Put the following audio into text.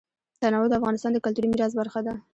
تنوع د افغانستان د کلتوري میراث برخه ده.